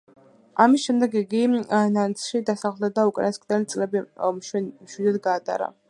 ამის შემდეგ იგი ნანსში დასახლდა და უკანასკნელი წლები მშვიდად გაატარა.